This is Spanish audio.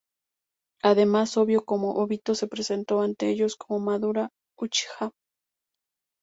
Además, vio cómo Obito se presentó ante ellos como Madara Uchiha.